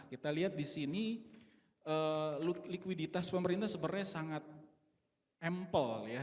kita lihat di sini likuiditas pemerintah sebenarnya sangat ample ya